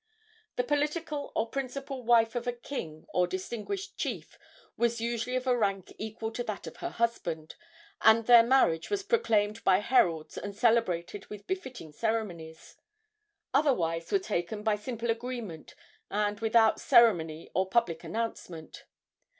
The political or principal wife of a king or distinguished chief was usually of a rank equal to that of her husband, and their marriage was proclaimed by heralds and celebrated with befitting ceremonies. Other wives were taken by simple agreement, and without ceremony or public announcement.